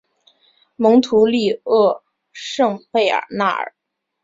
蒙图利厄圣贝尔纳尔。